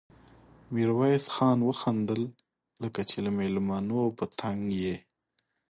ميرويس خان وخندل: لکه چې له مېلمنو په تنګ يې؟